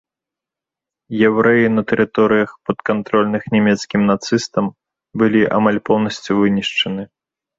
Яўрэі на тэрыторыях, падкантрольных нямецкім нацыстам, былі амаль поўнасцю вынішчаны.